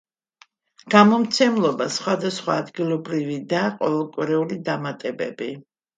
გამომცემლობა სხვადასხვა ადგილობრივი და ყოველკვირეული დამატებები.